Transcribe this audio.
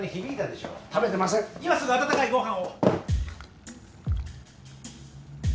今すぐ温かいご飯を。